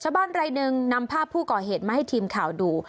ชาวบ้านไรนึงนำภาพผู้ก่อเหตุมาให้ทีมข่าวดู